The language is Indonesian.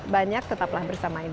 banyak tetaplah bersama insight